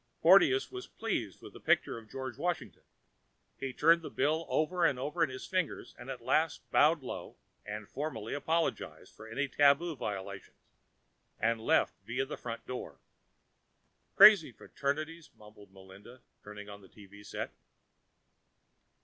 Porteous was pleased with the picture of George Washington. He turned the bill over and over in his fingers, at last bowed low and formally, apologized for any tabu violations, and left via the front door. "Crazy fraternities," muttered Melinda, turning on the TV set.